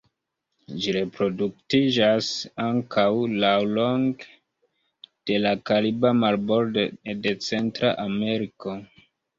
Ĝi reproduktiĝas ankaŭ laŭlonge de la kariba marbordo de Centra Ameriko.